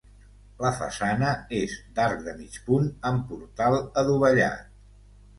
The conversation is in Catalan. La façana és d'arc de mig punt amb portal adovellat.